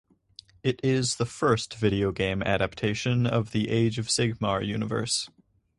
It is the first video game adaptation of the "Age of Sigmar" universe.